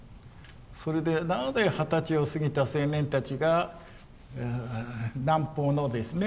それでなぜ二十歳を過ぎた青年たちが南方のですね